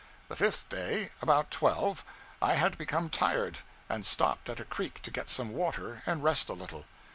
The fifth day, about twelve, I had become tired, and stopped at a creek to get some water and rest a little.